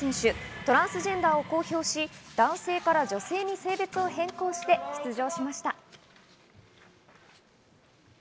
トランスジェンダーを公表し、男性から女性に性別を変更して出場しました。